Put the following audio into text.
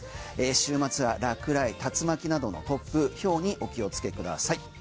週末は落雷、竜巻などの突風ひょうにお気をつけください。